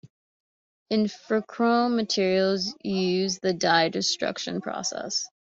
Ilfochrome materials use the dye destruction process.